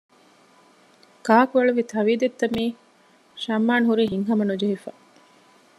ކާކު އެޅުވި ތަވިދެއްތަ މިއީ ޝަމްއާން ހުރީ ހިތްހަމަ ނުޖެހިފަ